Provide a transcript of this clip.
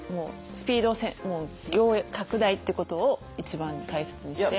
スピード拡大ってことを一番大切にして。